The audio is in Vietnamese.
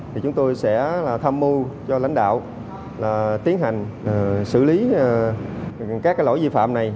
thì chúng tôi sẽ tham mưu cho lãnh đạo là tiến hành xử lý các lỗi vi phạm này